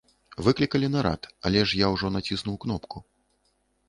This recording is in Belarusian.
Выклікалі нарад, але ж я ўжо націснуў кнопку.